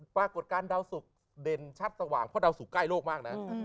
ปรากฏการณ์ดาวสุกเด่นชัดสว่างเพราะดาวสุกใกล้โลกมากนะ